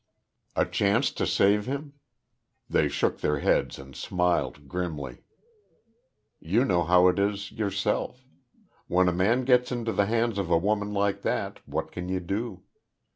A chance to save him? They shook their heads, and smiled, grimly. You know how it is, yourself. When a man gets into the hands of a woman like that, what can you do?